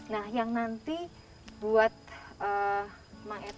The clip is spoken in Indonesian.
nah yang nanti buat bang etet